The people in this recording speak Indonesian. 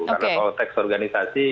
karena kalau konteks organisasi